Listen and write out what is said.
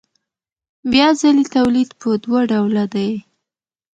بیا ځلي تولید په دوه ډوله دی